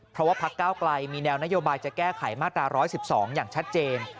เพราะว่าพักเก้าไกลมีแนวนโยบายจะแก้ไขมาตรา๑๑๒อย่างชัดเจน